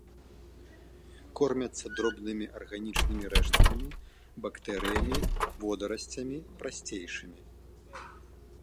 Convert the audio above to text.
Кормяцца дробнымі арганічнымі рэшткамі, бактэрыямі, водарасцямі, прасцейшымі.